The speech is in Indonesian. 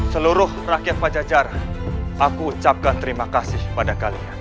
seluruh rakyat pajajar aku ucapkan terima kasih pada kalian